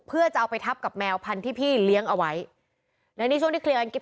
เพื่อจะเอาไปทับกับแมวพันธุ์ที่พี่เลี้ยงเอาไว้และนี่ช่วงที่เคลียร์กันคลิป